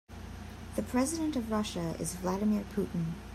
The president of Russia is Vladimir Putin.